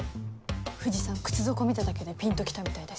藤さん靴底見ただけでピンと来たみたいです。